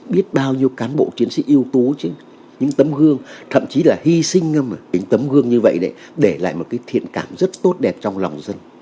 biết bao nhiêu cán bộ chiến sĩ yếu tố những tấm gương thậm chí là hy sinh những tấm gương như vậy đấy để lại một cái thiện cảm rất tốt đẹp trong lòng dân